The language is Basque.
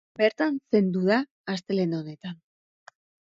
Bertan zendu da astelehen honetan.